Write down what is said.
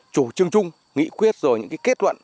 chủ trương chung nghị quyết rồi những cái kết luận